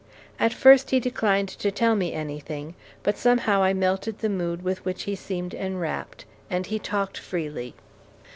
At first he declined to tell me anything, but somehow I melted the mood with which he seemed enwrapped, and he talked freely.